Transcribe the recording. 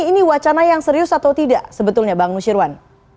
ini wacana yang serius atau tidak sebetulnya bang nusyirwan